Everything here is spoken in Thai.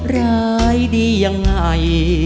ร้ายดียังไง